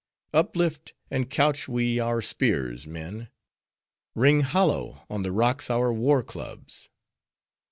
Uplift, and couch we our spears, men! Ring hollow on the rocks our war clubs!